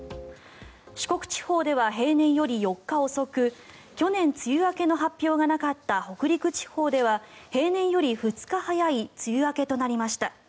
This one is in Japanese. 四国地方では平年より４日遅く去年、梅雨明けの発表がなかった北陸地方では平年より２日早い梅雨明けとなりました。